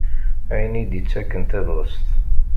Ayen i d-ittaken tabɣest.